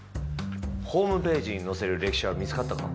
ホームページに載せる歴史は見つかったか？